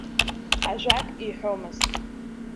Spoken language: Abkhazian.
Ажәак иҳәомызт.